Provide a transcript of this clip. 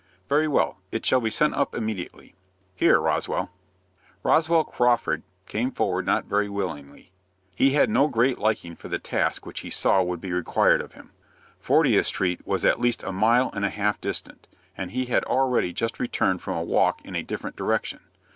"Very well, it shall be sent up immediately. Here, Roswell." Roswell Crawford came forward not very willingly. He had no great liking for the task which he saw would be required of him. Fortieth Street was at least a mile and a half distant, and he had already just returned from a walk in a different direction.